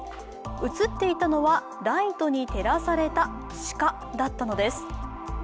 映っていたのはライトに照らされた鹿だったのです。